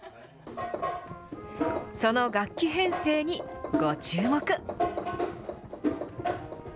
その楽器編成にご注目。